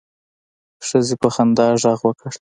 ښځې په خندا غږ وکړ.